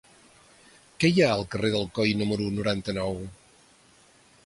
Què hi ha al carrer d'Alcoi número noranta-nou?